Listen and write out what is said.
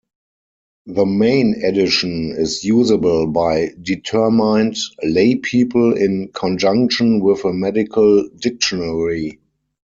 The main edition is usable by determined laypeople in conjunction with a medical dictionary.